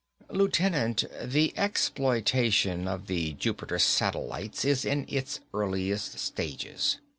"Lieutenant, the exploitation of the Jupiter satellites is in its earliest stages.